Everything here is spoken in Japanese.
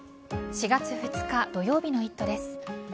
４月２日土曜日の「イット！」です。